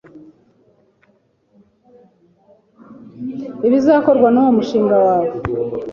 ibizakorwa nuwo mushinga wawe